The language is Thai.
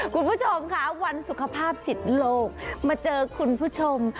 คุณผู้ชมค่ะวันสุขภาพจิตโลกมาเจอคุณผู้ชม